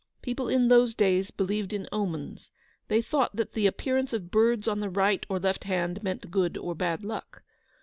People in those days believed in "omens:" they thought that the appearance of birds on the right or left hand meant good or bad luck.